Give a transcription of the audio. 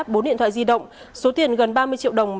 bốn điện thoại di động số tiền gần ba mươi triệu đồng